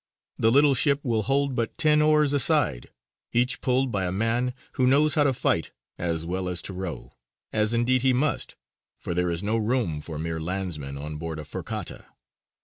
The little ship will hold but ten oars a side, each pulled by a man who knows how to fight as well as to row as indeed he must, for there is no room for mere landsmen on board a firkata.